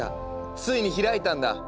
ついに開いたんだ。